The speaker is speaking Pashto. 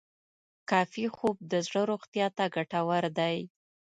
کافي خوب د زړه روغتیا ته ګټور دی.